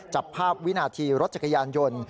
จับภาพวินาทีรถจักรยานยนต์